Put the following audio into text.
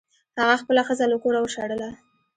هغه خپله ښځه له کوره وشړله.